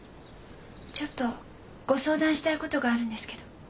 ちょっとご相談したいことがあるんですけど。